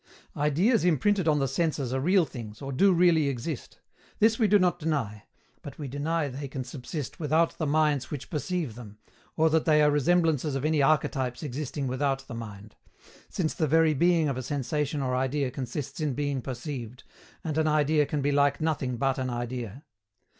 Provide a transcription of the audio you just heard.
Ideas imprinted on the senses are real things, or do really exist; this we do not deny, but we deny they can subsist without the minds which perceive them, or that they are resemblances of any archetypes existing without the mind; since the very being of a sensation or idea consists in being perceived, and an idea can be like nothing but an idea.